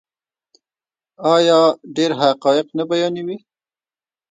آیا او ډیر حقایق نه بیانوي؟